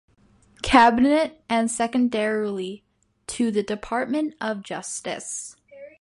Cabinet and secondarily to the Department of Justice.